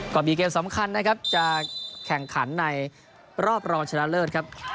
ก็มีเกมสำคัญนะครับจะแข่งขันในรอบรองชนะเลิศครับ